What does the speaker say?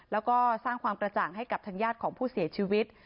แล้วก็สร้างความกระจ่างให้กับทางญาติของผู้เสียชีวิต